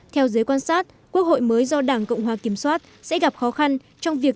theo giới quan sát quốc hội mới do đảng cộng hòa kiểm soát sẽ gặp khó khăn trong việc